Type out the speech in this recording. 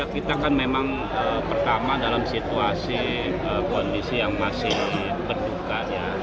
kita kan memang pertama dalam situasi kondisi yang masih berduka